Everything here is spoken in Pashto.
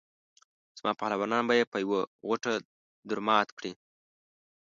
زما پهلوانان به په یوه غوټه درمات کړي.